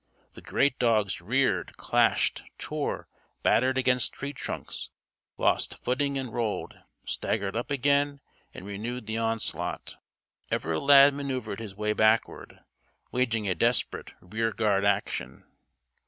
The great dogs reared, clashed, tore, battered against tree trunks, lost footing and rolled, staggered up again and renewed the onslaught. Ever Lad manoeuvered his way backward, waging a desperate "rear guard action."